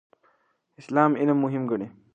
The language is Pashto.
اسلام علم مهم ګڼي.